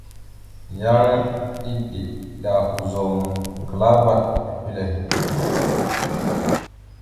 Yan edeɗa ozum klaa vaɗ epile.